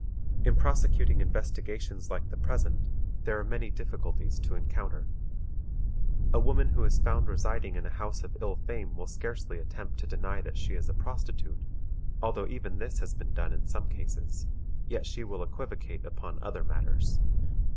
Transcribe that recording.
In prosecuting investigations like the present, there are many difficulties to encounter. A woman who is found residing in a house of ill fame will scarcely attempt to deny that she is a prostitute, although even this has been done in some cases, yet she will equivocate upon other matters.